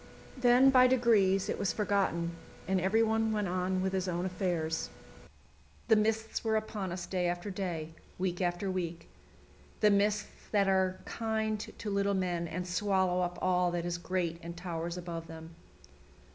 Then by degrees it was forgotten, and everyone went on with his own affairs. The mists were upon us day after day, week after week the mists that are kind to little men and swallow up all that is great and towers above them.